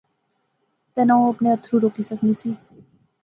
تہ نہ او اپنے اتھرو روکی سکنی سی